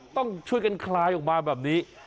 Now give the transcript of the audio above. ต้องช่วยกันคลายออกมาแบบนี้